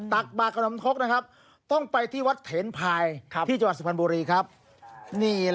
ตากบาธรรมคร็กต้องไปที่วัดเถนพายจังหวัดสิพันธ์บุรี